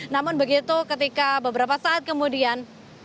namun begitu ketika beberapa saat kemudian